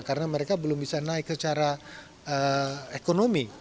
karena mereka belum bisa naik secara ekonomi